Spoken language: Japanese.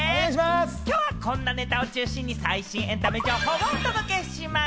きょうはこんなネタを中心に最新エンタメ情報をお届けします。